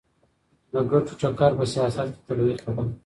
د ګټو ټکر په سياست کي طبيعي خبره ده.